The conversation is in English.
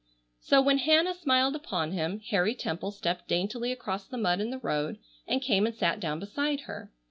So when Hannah smiled upon him, Harry Temple stepped daintily across the mud in the road, and came and sat down beside her.